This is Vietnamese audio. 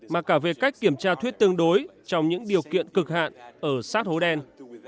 mà cả về cách kiểm tra thuyết tương đối trong những điều kiện cực hạn ở sát hố đen